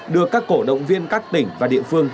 được các cổ động viên các tỉnh và địa phương